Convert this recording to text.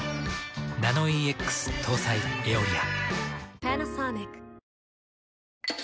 ナノイーＸ搭載「エオリア」。